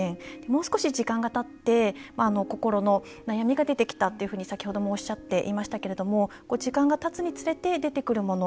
もう少し時間がたって心の悩みが出てきたっていうふうに先ほどもおっしゃっていましたけれども時間がたつにつれて出てくるもの